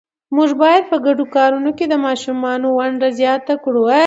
موږ باید په ګډو کارونو کې د ماشومانو ونډه زیات کړو